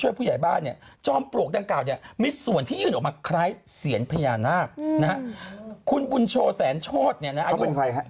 วันหลังชอบถามหมวยบ้างแล้วว่าเขาเป็นใคร